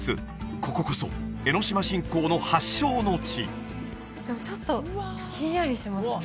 こここそ江の島信仰の発祥の地ちょっとひんやりしますね